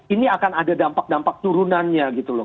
ini akan ada dampak dampak turunannya gitu loh